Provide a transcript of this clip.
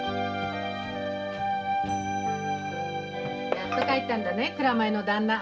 やっと帰ったのね蔵前の旦那。